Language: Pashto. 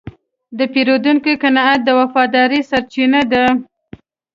د پیرودونکي قناعت د وفادارۍ سرچینه ده.